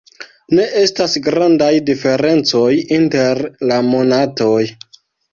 Ne estas grandaj diferencoj inter la monatoj.